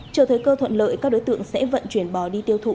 chờ thời cơ thuận lợi các đối tượng sẽ vận chuyển bò đi tiêu thụ